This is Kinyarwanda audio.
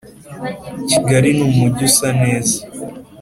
Kigali ni umujyi usaneza